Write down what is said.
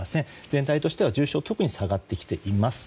全体としては重症下がってきています。